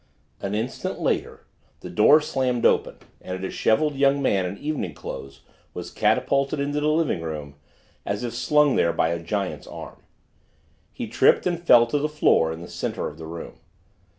An instant later the door slammed open and a disheveled young man in evening clothes was catapulted into the living room as if slung there by a giant's arm. He tripped and fell to the floor in the center of the room.